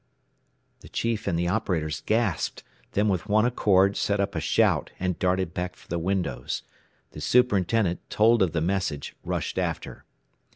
"_ The chief and the operators gasped, then with one accord set up a shout and darted back for the windows. The superintendent, told of the message, rushed after.